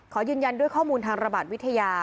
ขอยืนยันด้วยข้อมูลทางระบาดวิทยา